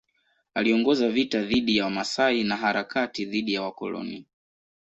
Aliongoza vita dhidi ya Wamasai na harakati dhidi ya wakoloni.